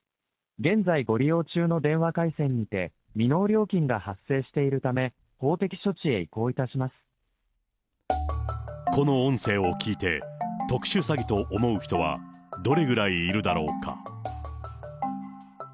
現在ご利用中の電話回線にて未納料金が発生しているため、この音声を聞いて、特殊詐欺と思う人はどれぐらいいるだろうか。